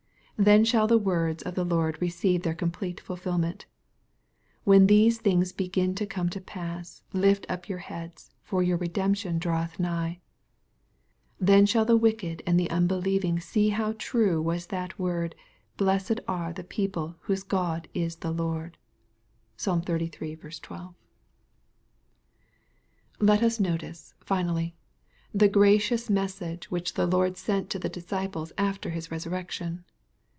Then shall the words of the Lord receive their complete fulfilment :" when these things begin to come to pass, lift up your heads, for your redemption draweth nigh." Then shall the wicked and unbelieving see how true was that word, "blessed are the people whose God is the Lord." (Psalm xxxiii. 12.) MATTHEW, CHAP. XXVni. 407 Lot us notice, finally, the gracious message which the Lord sent to the disciples after His resurrection.